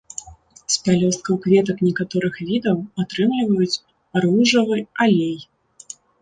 З пялёсткаў кветак некаторых відаў атрымліваюць ружавы алей.